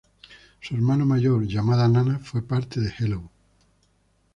Su hermana mayor, Yamada Nana, fue parte de Hello!